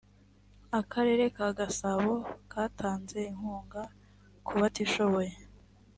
akarere ka gasabo katanze inkunga kubatishoboye